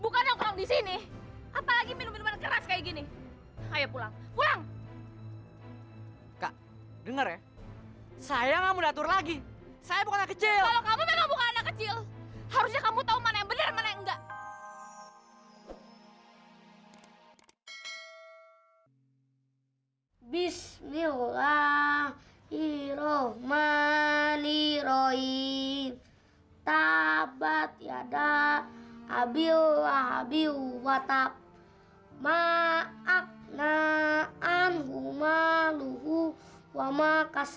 kalau kamu memang bukan anak kecil harusnya kamu tahu mana yang benar dan mana yang enggak